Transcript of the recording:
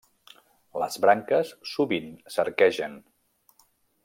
Les branques sovint s'arquegen.